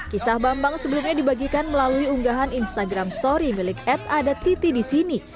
kisah bambang sebelumnya dibagikan melalui unggahan instagram story milik ad adatiti di sini